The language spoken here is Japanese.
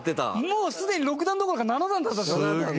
もうすでに六段どころか七段だったって事？